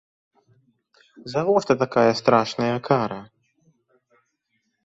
Завошта такая страшная кара?